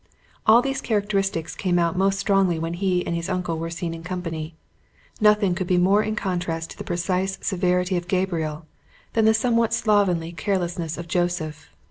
All these characteristics came out most strongly when he and his uncle were seen in company: nothing could be more in contrast to the precise severity of Gabriel than the somewhat slovenly carelessness of Joseph.